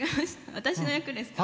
私の役ですか。